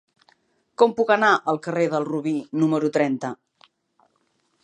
Com puc anar al carrer del Robí número trenta?